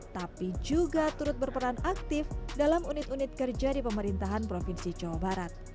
tapi juga turut berperan aktif dalam unit unit kerja di pemerintahan provinsi jawa barat